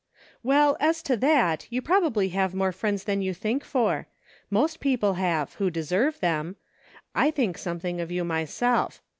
"Well, as to that, you probably have more friends than you think for ; most people have, who deserve them ; I think something of you my self.